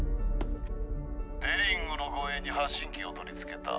デリングの護衛に発信機を取り付けた。